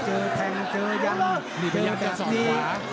เจอแทงเจออย่างเจอแบบนี้